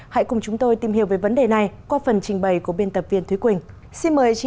hãy cùng chúng tôi tìm hiểu về vấn đề này qua phần trình bày của biên tập viên thúy quỳnh